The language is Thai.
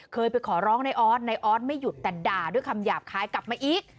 เคยไปขอร้องในออสในออสไม่หยุดแต่ด่าด้วยคำหยาบคล้ายกลับมาอีก